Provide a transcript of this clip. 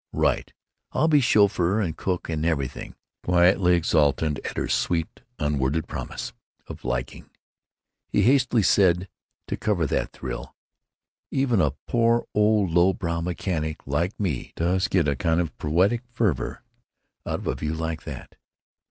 "Right! I'll be chauffeur and cook and everything." Quietly exultant at her sweet, unworded promise of liking, he hastily said, to cover that thrill, "Even a poor old low brow mechanic like me does get a kind of poetic fervor out of a view like that."